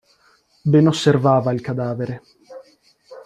Ben osservava il cadavere.